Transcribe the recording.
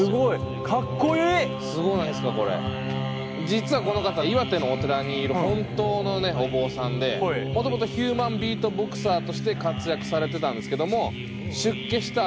実はこの方岩手のお寺にいる本当のお坊さんでもともとヒューマンビートボクサーとして活躍されてたんですけども出家した